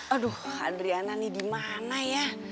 aduh adriana nih dimana ya